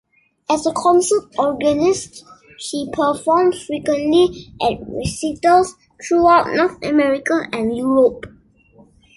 As a concert organist, she performs frequently at recitals throughout North America and Europe.